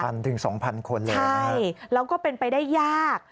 พันธุ์ถึง๒๐๐๐คนเลยนะครับค่ะใช่แล้วก็เป็นไปได้ยาก